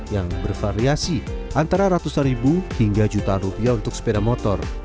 yang bervariasi antara ratusan ribu hingga jutaan rupiah untuk sepeda motor